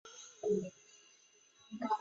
台湾知名主持人胡瓜的艺名是他取的。